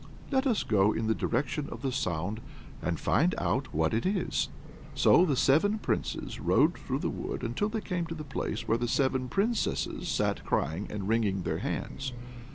Let us go in the direction of the sound, and find out what it is." So the seven Princes rode through the wood until they came to the place where the seven Princesses sat crying and wringing their hands.